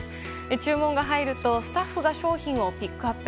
注文が入るとスタッフが商品をピックアップ。